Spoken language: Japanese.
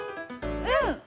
うん！